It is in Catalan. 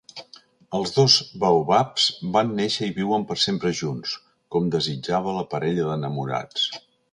Els dos baobabs van néixer i viuen per sempre junts, com desitjava la parella d'enamorats.